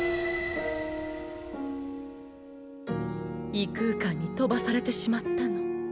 異空間に飛ばされてしまったの。